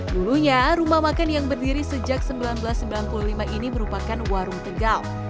dulunya rumah makan yang berdiri sejak seribu sembilan ratus sembilan puluh lima ini merupakan warung tegal